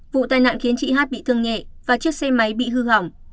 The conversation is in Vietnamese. vụ tai nạn khiến chị hát bị thương nhẹ và chiếc xe máy bị hư hỏng